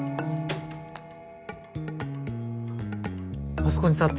あそこに座って。